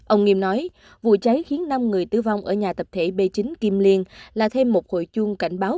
ông nghiêm nói vụ cháy khiến năm người tử vong ở nhà tập thể b chín kim liên là thêm một hồi chuông cảnh báo